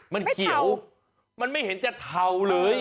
มันเขียวมันไม่เห็นจะเทาเลย